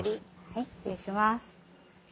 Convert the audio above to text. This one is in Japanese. はい失礼します。